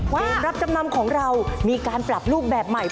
รับจำนำของเรามีการปรับรูปแบบใหม่